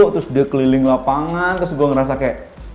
terus dia keliling lapangan terus gue ngerasa kayak